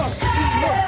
bapak ini ah